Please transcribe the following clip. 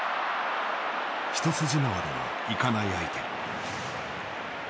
一筋縄ではいかない相手。